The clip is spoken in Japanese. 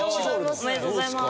おめでとうございます。